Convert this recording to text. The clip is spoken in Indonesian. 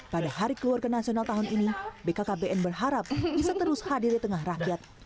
pada hari keluarga nasional tahun ini bkkbn berharap bisa terus hadir di tengah rakyat